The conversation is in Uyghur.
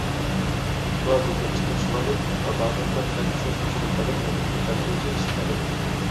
ئېكۋاتوردىن چىقىپ شىمالىي قۇتۇپقا بارغان بىر تەكشۈرگۈچىنىڭ بەدەن ئېغىرلىقى تەدرىجىي ئېشىپ بارىدۇ.